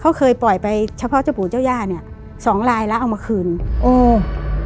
เขาเคยปล่อยไปเฉพาะเจ้าปู่เจ้าย่าเนี้ยสองลายแล้วเอามาคืนโอ้